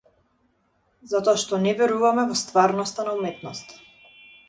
Затоа што не веруваме во стварноста на уметноста.